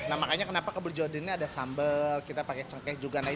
nah makanya kenapa kebuli jawa deni ada sambel kita pakai cengkeh juga